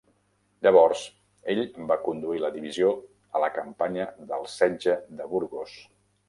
Llavors, ell va conduir la divisió a la campanya del Setge de Burgos.